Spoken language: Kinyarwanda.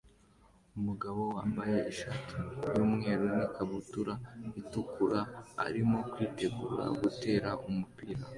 Umugabo wambaye ishati yumweru n'ikabutura itukura arimo kwitegura gutera umupira